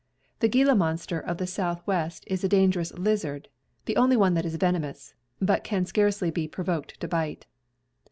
The Gila monster of the Southwest is a dangerous lizard — the only one that is venomous — but can scarcely be provoked to bite.